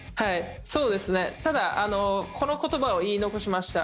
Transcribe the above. ただこの言葉を言い残しました。